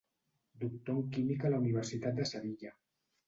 Doctor en química a la Universitat de Sevilla.